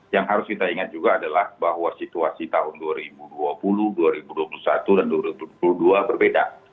yang harus kita ingat juga adalah bahwa situasi tahun dua ribu dua puluh dua ribu dua puluh satu dan dua ribu dua puluh dua berbeda